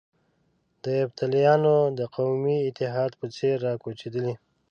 د یفتلیانو د قومي اتحاد په څېر را کوچېدلي.